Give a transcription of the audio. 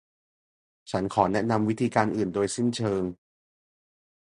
ฉันขอแนะนำวิธีการอื่นโดยสิ้นเชิง